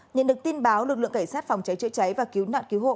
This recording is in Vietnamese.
nhận được tin báo lực lượng cảnh sát phòng cháy chữa cháy và cứu nạn cứu hộ